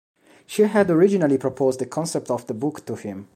She had originally proposed the concept of the book to him.